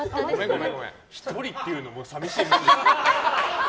１人っていうのも寂しいものですね。